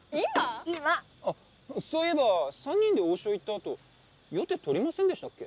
あっそういえば３人で王将行ったあと酔って録りませんでしたっけ？